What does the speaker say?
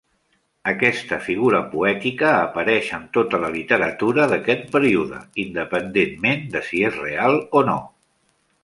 Aquesta figura poètica apareix en tota la literatura d'aquest període, independentment de si és real o no.